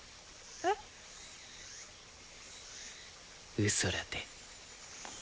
うそらて。